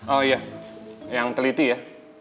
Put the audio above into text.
oh iya yang teliti ya